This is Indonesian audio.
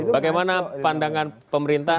bagaimana pandangan pemerintah